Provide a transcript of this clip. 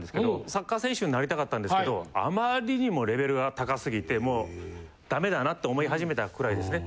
サッカー選手になりたかったんですけどあまりにもレベルが高すぎてもうダメだなと思い始めたくらいですね。